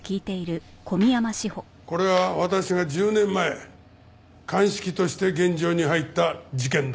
これは私が１０年前鑑識として現場に入った事件だ。